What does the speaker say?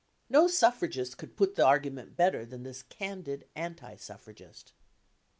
No suffragist could put the argument better than this candid anti suffragist.